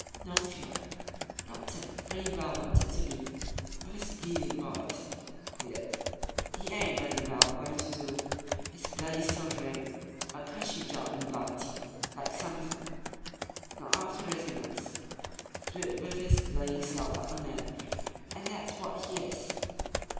"No fear. Not 'im. Bloody well wanted to be wiv 'is bleedin' boys, 'e did. 'E ain't bloody well goin' to do 'is bloody solderin' in a 'cushy' job in Blighty like some of 'em. Not after rysin' us. Do it wiv 'is bloody self like a man; an' that's wot 'e is."